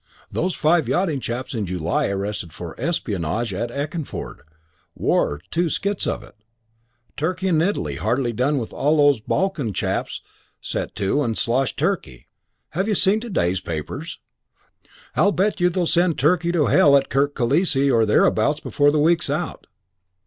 Those five yachting chaps in July arrested for espionage at Eckernforde. War, too, skits of it. Turkey and Italy hardly done when all these Balkan chaps set to and slosh Turkey. Have you seen to day's papers? I'll bet you they'll send Turkey to hell at Kirk Kilisse or thereabouts before the week's out."